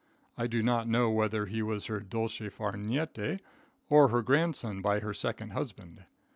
I do not know whether he was her dolce far niente, or her grandson by her second husband.